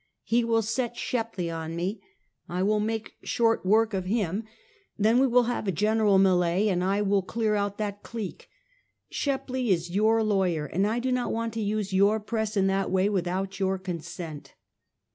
He will set Shepley on me; I will make short work of him. Then we will have a general melee, and I will clear ont that clique. Shepley is your lawyer, and I do not want to use your press in that way without your con SODt."